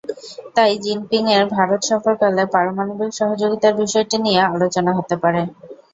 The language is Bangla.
তাই জিনপিংয়ের ভারত সফরকালে পারমাণবিক সহযোগিতার বিষয়টি নিয়ে আলোচনা হতে পারে।